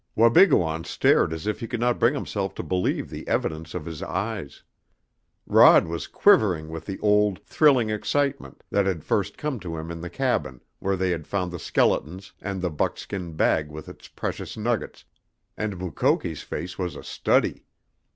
Wabigoon stared as if he could not bring himself to believe the evidence of his eyes. Rod was quivering with the old, thrilling excitement that had first come to him in the cabin where they had found the skeletons and the buckskin bag with its precious nuggets, and Mukoki's face was a study.